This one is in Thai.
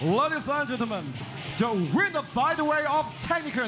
วินาทีการต่อไปกับเทคนิค